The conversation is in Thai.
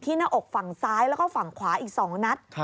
หน้าอกฝั่งซ้ายแล้วก็ฝั่งขวาอีก๒นัด